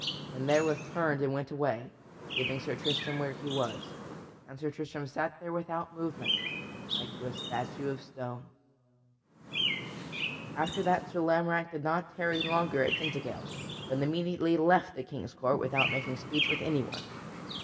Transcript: and therewith turned and went away, leaving Sir Tristram where he was. And Sir Tristram sat there without movement, like to a statue of stone. [Sidenote: Sir Lamorack leaves Tintagel] After that Sir Lamorack did not tarry longer at Tintagel, but immediately left the King's court without making speech with anyone.